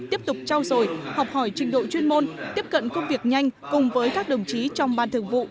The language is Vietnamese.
tiếp tục trao dồi học hỏi trình độ chuyên môn tiếp cận công việc nhanh cùng với các đồng chí trong ban thường vụ